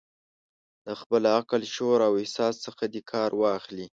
له خپل عقل، شعور او احساس څخه دې کار واخلي.